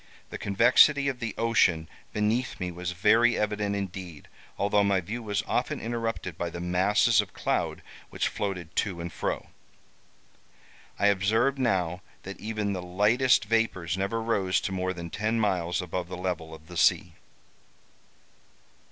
The convexity of the ocean beneath me was very evident indeed, although my view was often interrupted by the masses of cloud which floated to and fro. I observed now that even the lightest vapors never rose to more than ten miles above the level of the sea.